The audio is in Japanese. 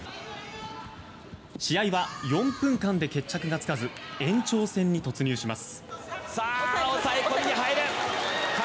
試合は４分間で決着がつかず延長戦に突入します。